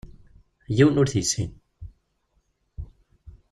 Yiwen ur t-yessin.